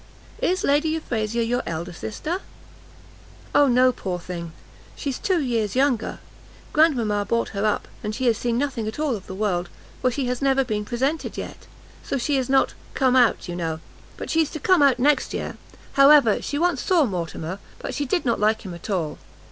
"Is Lady Euphrasia your elder sister?" "O no, poor little thing, she's two years younger. Grandmama brought her up, and` she has seen nothing at all of the world, for she has never been presented yet, so she is not come out, you know; but she's to come out next year. However, she once saw Mortimer, but she did not like him at all."